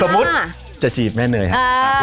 มุติจะจีบแม่เนยครับ